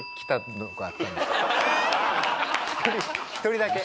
１人だけ。